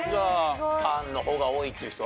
パンの方が多いっていう人は？